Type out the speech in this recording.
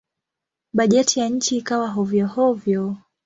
Bajeti ya nchi ikawa hovyo-hovyo.